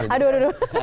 aduh aduh aduh